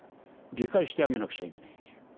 理解してあげなくちゃいけないんだよ。